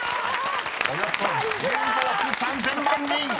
［およそ１５億３，０００万人］